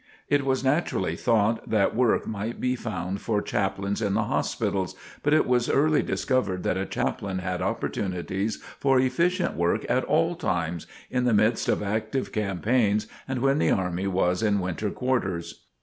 It was naturally thought that work might be found for chaplains in the hospitals, but it was early discovered that a chaplain had opportunities for efficient work at all times, in the midst of active campaigns and when the army was in winter quarters.